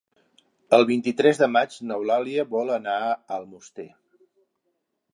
El vint-i-tres de maig n'Eulàlia vol anar a Almoster.